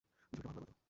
ঝুড়িটা ভালোভাবে বাঁধো।